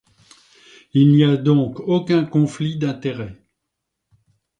Il n’y a donc aucun conflit d’intérêt.